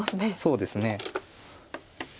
そうですね。